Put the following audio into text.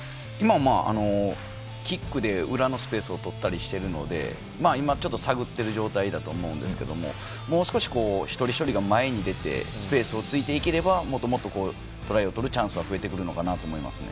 キックで裏のスペースをとったりして探っている状態だと思いますがもう少し、１人が処理で前に出てスペースを突いていけばもっとトライを取るチャンスは増えてくるのかなと思いますね。